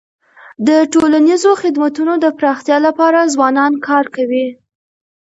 د ټولنیزو خدمتونو د پراختیا لپاره ځوانان کار کوي.